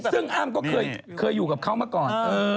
ซึ่งอ้ำก็เคยอยู่กับเขามาก่อน